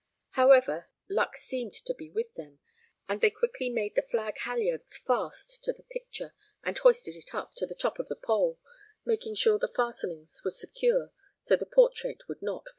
However, luck seemed to be with them, and they quickly made the flag halyards fast to the picture and hoisted it up to the top of the pole, making sure the fastenings were secure so the portrait would not fall.